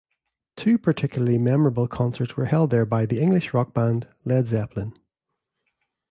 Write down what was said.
Two particularly memorable concerts were held there by the English rock band Led Zeppelin.